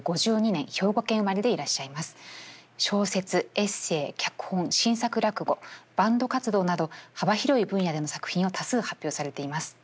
エッセー脚本新作落語バンド活動など幅広い分野での作品を多数発表されています。